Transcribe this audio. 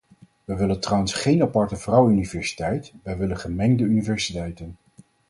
We willen trouwens geen aparte vrouwenuniversiteit, wij willen gemengde universiteiten.